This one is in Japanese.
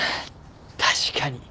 確かに。